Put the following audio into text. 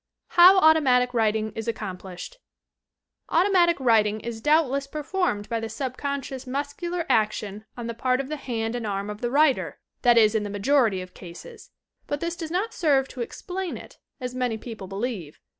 HOW AUTOMATIC WRITING IS ACCOMPLISHED Automatic writing is doubtless performed by the sub conscious muscular action on the part of the hand and arm of the writer, that is in the majority of cases. But this does not serve to "explain" it, as many people believe.